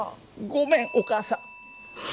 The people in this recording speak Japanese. ごめんお母さん！